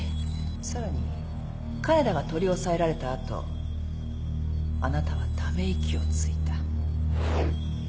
さらに金田が取り押さえられた後あなたはため息をついた。